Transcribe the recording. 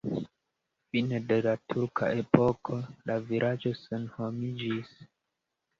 Fine de la turka epoko la vilaĝo senhomiĝis.